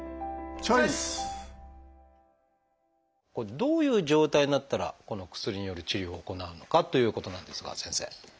どういう状態になったらこの薬による治療を行うのかということなんですが先生。